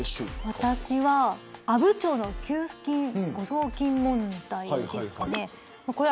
私は阿武町の給付金誤送金問題ですかね。